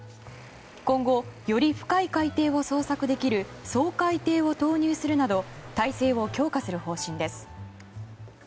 今後、より深い海底を捜索できる掃海艇を投入するなど態勢を強化する方針です。